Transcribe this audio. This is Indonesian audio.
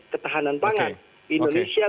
ketahanan pangan indonesia